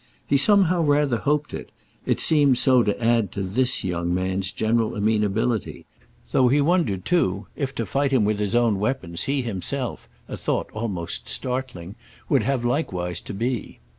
He somehow rather hoped it—it seemed so to add to this young man's general amenability; though he wondered too if, to fight him with his own weapons, he himself (a thought almost startling) would have likewise to be.